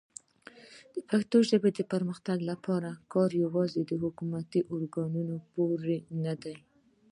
د پښتو ژبې پرمختګ لپاره کار یوازې د حکومتي ارګانونو پورې نه دی.